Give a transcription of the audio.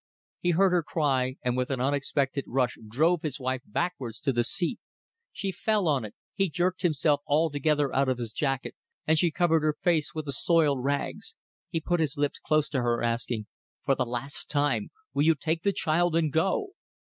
He heard her cry, and with an unexpected rush drove his wife backwards to the seat. She fell on it; he jerked himself altogether out of his jacket, and she covered her face with the soiled rags. He put his lips close to her, asking "For the last time, will you take the child and go?"